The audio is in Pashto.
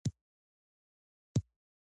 محمد نور یعقوبی د ډایی کلی ملک دی